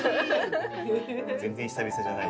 全然久々じゃない。